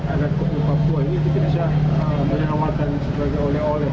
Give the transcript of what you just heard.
agar kopi papua ini bisa menawarkan sebagai oleh oleh